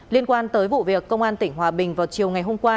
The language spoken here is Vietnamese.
liên quan tới vụ việc công an tỉnh hòa bình vào chiều ngày hôm qua